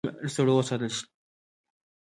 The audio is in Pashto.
پسه په ژمي کې له سړو وساتل شي.